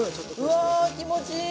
うわ気持ちいい！